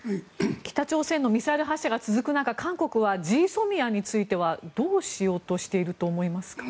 北朝鮮のミサイル発射が続く中韓国はＧＳＯＭＩＡについてはどうしようとしていると思いますか。